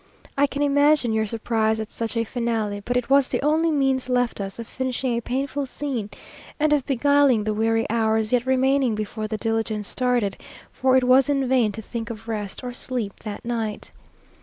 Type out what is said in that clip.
I can imagine your surprise at such a finale, but it was the only means left us of finishing a painful scene, and of beguiling the weary hours yet remaining before the diligence started, for it was in vain to think of rest or sleep that night.